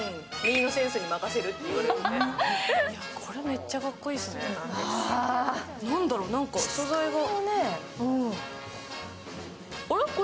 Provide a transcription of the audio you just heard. これ、めっちゃかっこいいですね、何だろう、素材が。